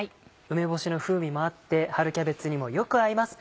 梅干しの風味もあって春キャベツにもよく合います